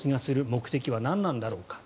目的は何なんだろうか。